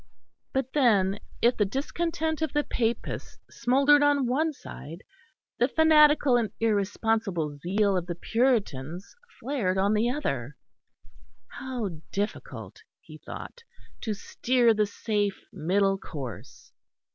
But then, if the discontent of the Papists smouldered on one side, the fanatical and irresponsible zeal of the Puritans flared on the other. How difficult, he thought, to steer the safe middle course!